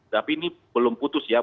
tapi ini belum putus ya